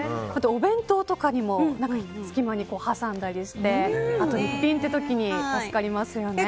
お弁当とかにも隙間に挟んだりしてあと一品っていう時にも助かりますよね。